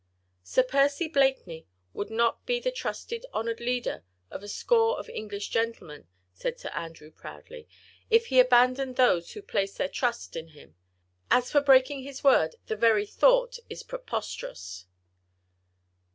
"Sir Percy Blakeney would not be the trusted, honoured leader of a score of English gentlemen," said Sir Andrew, proudly, "if he abandoned those who placed their trust in him. As for breaking his word, the very thought is preposterous!"